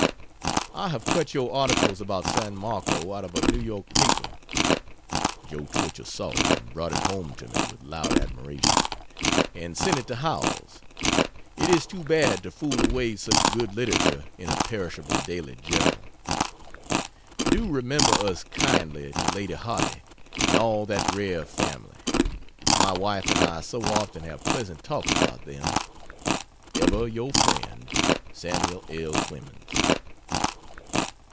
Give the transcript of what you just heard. I have cut your articles about San Marco out of a New York paper (Joe Twichell saw it and brought it home to me with loud admiration,) and sent it to Howells. It is too bad to fool away such good literature in a perishable daily journal. Do remember us kindly to Lady Hardy and all that rare family my wife and I so often have pleasant talks about them. Ever your friend, SAML. L. CLEMENS.